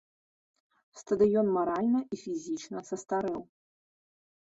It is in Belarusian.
Стадыён маральна і фізічна састарэў.